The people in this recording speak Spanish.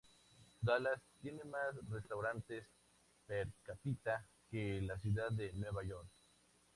Dallas tiene más restaurantes per cápita que la ciudad de Nueva York.